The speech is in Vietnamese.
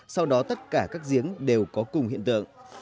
sau đó tất cả các giếng đều có cùng hiện tượng